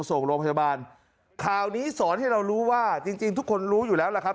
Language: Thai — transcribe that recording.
ส่งโรงพยาบาลข่าวนี้สอนให้เรารู้ว่าจริงจริงทุกคนรู้อยู่แล้วล่ะครับ